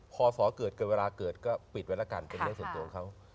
พอสอเกิดเวลาเกิดก็ปิดไว้แล้วกันเป็นเรื่องส่วนตัวของเขา